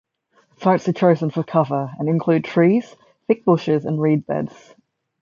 Sites are chosen for cover and include trees, thick bushes and reed beds.